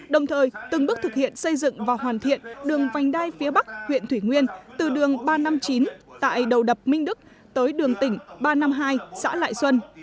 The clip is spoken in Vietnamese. đồng thời từng bước thực hiện xây dựng và hoàn thiện đường vành đai phía bắc huyện thủy nguyên từ đường ba trăm năm mươi chín tại đầu đập minh đức tới đường tỉnh ba trăm năm mươi hai xã lại xuân